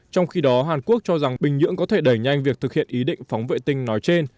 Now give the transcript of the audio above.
trong khi đó hàn quốc cho rằng bình nhưỡng có thể đẩy nhanh việc thực hiện ý định phóng vệ tinh nói trên